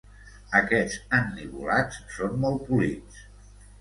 Aquests ennivolats són molt polits